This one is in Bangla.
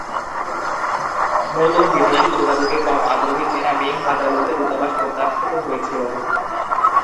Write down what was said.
নতুন বিদেশী যোগাযোগে কম আগ্রহী চীনা মিং আদালতে দূতাবাস প্রত্যাখ্যাত হয়েছিল।